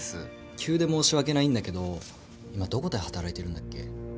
急で申し訳ないんだけど今どこで働いてるんだっけ？